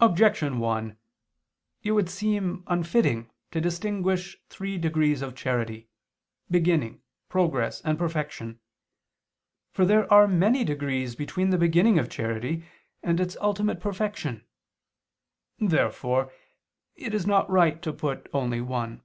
Objection 1: It would seem unfitting to distinguish three degrees of charity, beginning, progress, and perfection. For there are many degrees between the beginning of charity and its ultimate perfection. Therefore it is not right to put only one.